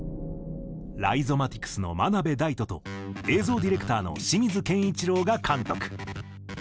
ライゾマティクスの真鍋大度と映像ディレクターの清水憲一郎が監督。